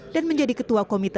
dan menjadi ketua komite